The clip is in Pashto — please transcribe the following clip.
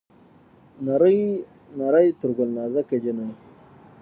نرۍ نرى تر ګل نازکه جينۍ